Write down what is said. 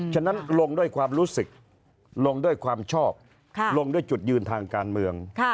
ฉะนั้นลงด้วยความรู้สึกลงด้วยความชอบลงด้วยจุดยืนทางการเมือง